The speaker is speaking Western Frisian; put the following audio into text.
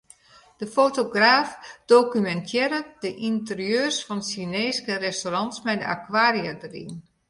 De fotograaf dokumintearret de ynterieurs fan Sjineeske restaurants mei de akwaria dêryn.